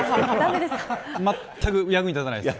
まったく役に立たないです。